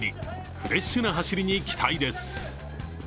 フレッシュな走りに期待です。